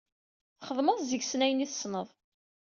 Txedmeḍ deg-sen ayen i tessneḍ.